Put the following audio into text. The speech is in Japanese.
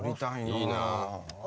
いいな。